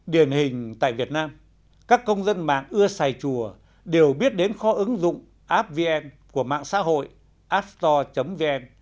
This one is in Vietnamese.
điển hình tại việt nam các công dân mạng ưa xài chùa đều biết đến kho ứng dụng appvn của mạng xã hội appstore vn